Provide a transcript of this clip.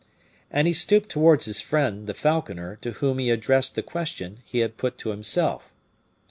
And he stooped towards his friend, the falconer, to whom he addressed the question he had put to himself.